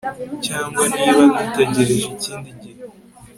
cyangwa niba dutegereje ikindi gihe